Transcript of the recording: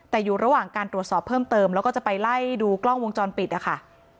แต่อยู่ระหว่างการตรวจสอบเพิ่มเติมแล้วก็จะไปไล่ดูกล้องวงจรปิดนะคะ